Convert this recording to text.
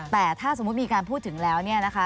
แต่ถ้าสมมุติมีการพูดถึงแล้วเนี่ยนะคะ